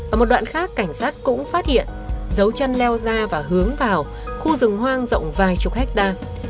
ở một đoạn khác cảnh sát cũng phát hiện dấu chân leo ra và hướng vào khu rừng hoang rộng vài chục hectare